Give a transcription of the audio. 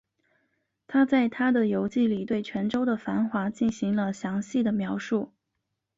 他在他的游记里对泉州的繁华进行了详细的描述。